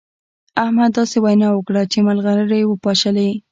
احمد داسې وينا وکړه چې مرغلرې يې وپاشلې.